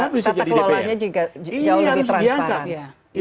kata kelolaannya juga jauh lebih transparan